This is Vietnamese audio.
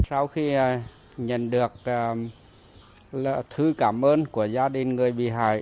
sau khi nhận được thư cảm ơn của gia đình người bị hại